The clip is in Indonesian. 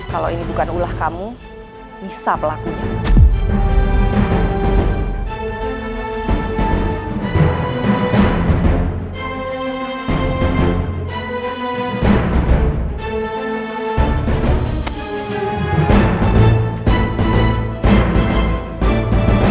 kalau ini bukan ulah kamu bisa pelakunya